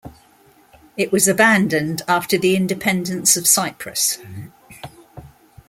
It was abandoned after the independence of Cyprus.